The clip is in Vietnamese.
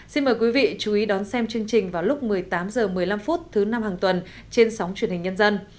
xin mời quý vị chú ý đón xem chương trình vào lúc một mươi tám h một mươi năm thứ năm hàng tuần trên sóng truyền hình nhân dân